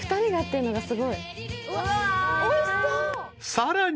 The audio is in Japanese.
［さらに］